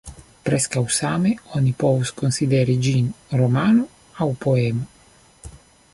Preskaŭ same oni povus konsideri ĝin romano aŭ poemo.